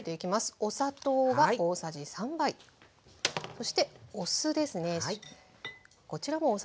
そしてお酢ですね。